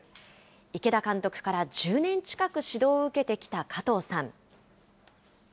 池田監督から１０年近く指導を受けてきた加藤さん。